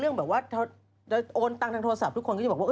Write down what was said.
แบบว่าโอนตังค์ทางโทรศัพท์ทุกคนก็จะบอกว่า